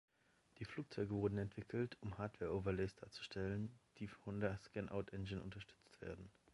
Die Flugzeuge wurden entwickelt, um Hardware-Overlays darzustellen, die von der Scanout-Engine unterstützt werden.